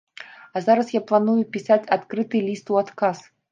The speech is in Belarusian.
А зараз я планую пісаць адкрыты ліст у адказ.